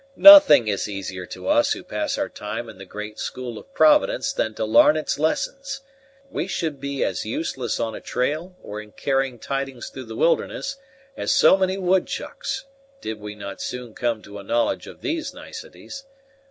"Nothing is easier to us who pass our time in the great school of Providence than to larn its lessons. We should be as useless on a trail, or in carrying tidings through the wilderness, as so many woodchucks, did we not soon come to a knowledge of these niceties.